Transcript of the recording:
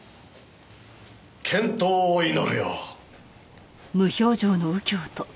健闘を祈るよ。